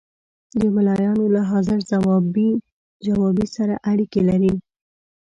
د ملایانو له حاضر جوابي سره اړیکې لري.